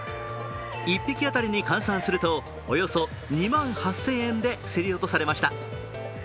１匹当たりに換算するとおよそ２万８０００円で競り落とされました。